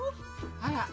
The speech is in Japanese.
あら？